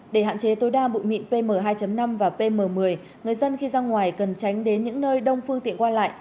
để hạn chế tối đa bụi mịn pm hai năm và pm một mươi người dân khi ra ngoài cần tránh đến những nơi đông phương tiện qua lại